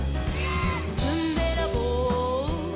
「ずんべらぼう」「」